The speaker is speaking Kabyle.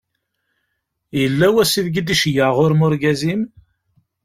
Yella wass ideg d-iceggeɛ ɣur-m urgaz-im?